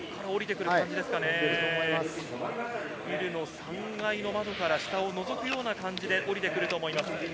ビルの３階の窓から下をのぞくような感じて下りてくると思います。